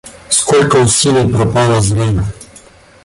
Сколько усилий пропало зря.